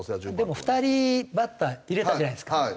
でも２人バッター入れたじゃないですか。